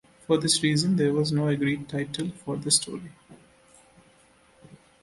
For this reason, there was no agreed title for the story.